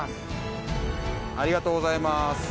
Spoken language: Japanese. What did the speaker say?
ありがとうございます。